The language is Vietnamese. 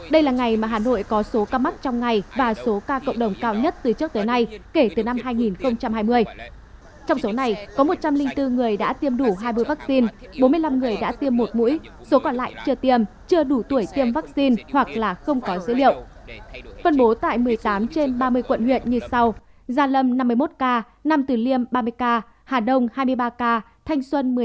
đây là ngày mà hà nội có số ca mắc trong ngày và số ca cộng đồng cao nhất từ trước tới nay kể từ năm hai nghìn hai mươi